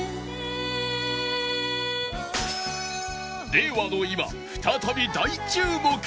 令和の今再び大注目